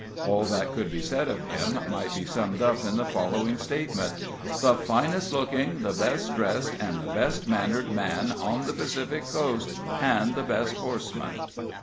All that could be said of him might be summed up in the following statement: "The finest looking, the best dressed, and the best mannered man on the Pacific coast, and the best horseman."